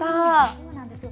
そうなんですよ。